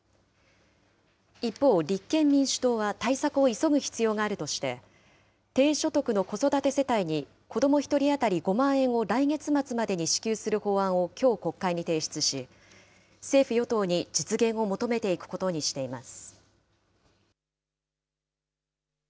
一方、立憲民主党は対策を急ぐ必要があるとして、低所得の子育て世帯に子ども１人当たり５万円を来月末までに支給する法案をきょう国会に提出し、政府・与党に実現を求めていくことにしています。